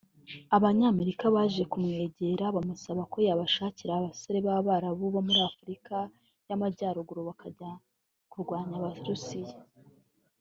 Abanyamerika baje kumwegera bamusaba ko yabashakira abasore b’abarabu bo muri Afurika y’Amajyaruguru bakajya kurwanya Abarusiya